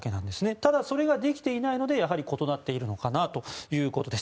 ただ、それができていないのでやはり異なっているのかなということです。